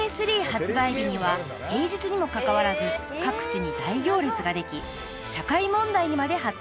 発売日には平日にもかかわらず各地に大行列ができ社会問題にまで発展しました］